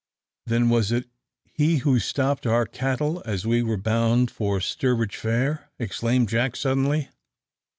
"Then was it he who stopped our cattle as we were bound for Stourbridge Fair?" exclaimed Jack, suddenly.